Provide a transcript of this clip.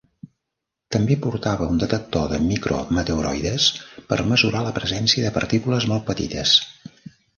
També portava un detector de micro-meteoroides, per mesurar la presència de partícules molt petites.